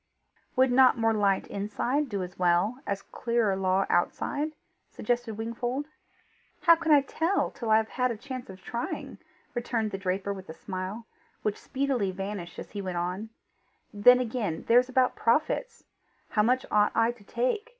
"Would not more light inside do as well as clearer law outside?" suggested Wingfold. "How can I tell till I have had a chance of trying?" returned the draper with a smile, which speedily vanished as he went on: "Then again, there's about profits! How much ought I to take?